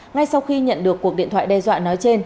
ngay sau khi nhận được cuộc điện thoại đe dọa nói trên